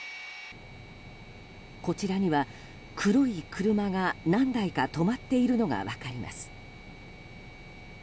こちらには黒い車が何台か止まっているのが分かります。